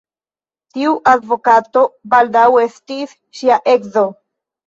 Tiu advokato baldaŭ estis ŝia edzo.